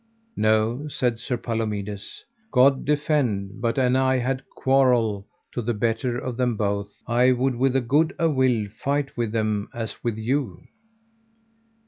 No, said Sir Palomides, God defend, but an I had a quarrel to the better of them both I would with as good a will fight with him as with you.